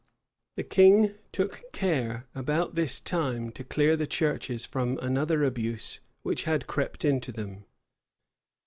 The king took care about this time to clear the churches from another abuse which had crept into them.